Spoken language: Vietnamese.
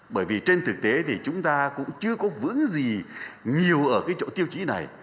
bởi vì trên thực tế thì chúng ta cũng chưa có vững gì nhiều ở cái chỗ tiêu chí này